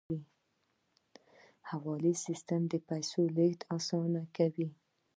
حواله سیستم د پیسو لیږد اسانه کوي